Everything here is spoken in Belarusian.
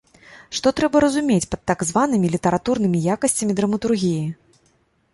Што трэба разумець пад так званымі літаратурнымі якасцямі драматургіі?